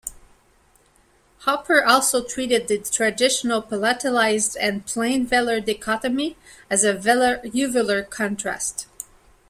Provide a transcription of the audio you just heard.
Hopper also treated the traditional palatalized and plain velar dichotomy as a velar-uvular contrast.